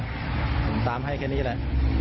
ผมตามให้แค่นี้แหละ